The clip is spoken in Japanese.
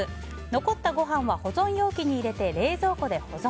残ったご飯は保存容器に入れて冷蔵庫で保存。